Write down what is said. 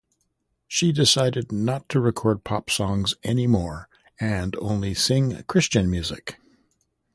She decided not to record pop songs anymore and only sing Christian music.